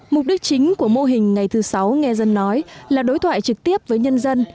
mục đích chính của mô hình ngày thứ sáu nghe dân nói là đối thoại trực tiếp với nhân dân